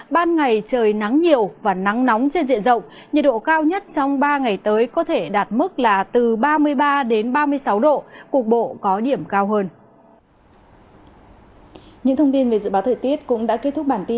ban ngày trời nắng nhiều và nắng nóng trên diện rộng nhiệt độ cao nhất trong ba ngày tới có thể đạt mức là từ ba mươi ba đến ba mươi sáu độ cục bộ có điểm cao hơn